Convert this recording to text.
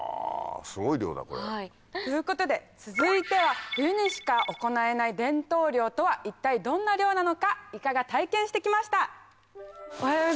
すごい漁だこれ。ということで続いては冬にしか行えない伝統漁とは一体どんな漁なのかいかが体験してきました！